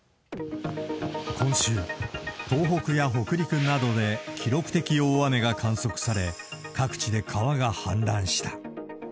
今週、東北や北陸などで記録的大雨が観測され、各地で川が氾濫した。